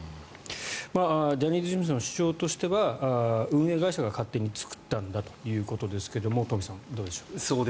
ジャニーズ事務所の主張としては運営会社が勝手に作ったんだということですが東輝さん、どうでしょう。